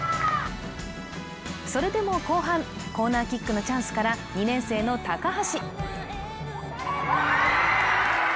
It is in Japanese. それでも後半、コーナーキックのチャンスから２年生の高橋。